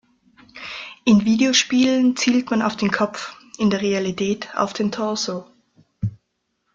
In Videospielen zielt man auf den Kopf, in der Realität auf den Torso.